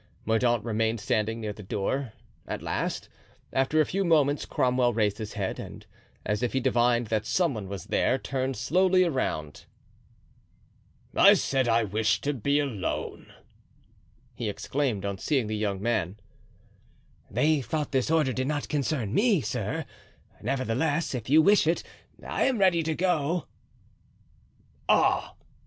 Mordaunt remained standing near the door. At last, after a few moments, Cromwell raised his head, and, as if he divined that some one was there, turned slowly around. "I said I wished to be alone," he exclaimed, on seeing the young man. "They thought this order did not concern me, sir; nevertheless, if you wish it, I am ready to go." "Ah!